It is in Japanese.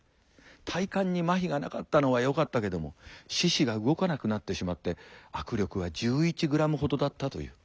体幹にまひがなかったのはよかったけども四肢が動かなくなってしまって握力は１１ｇほどだったという。